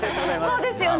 そうですよね。